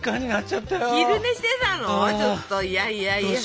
ちょっといやいやいや。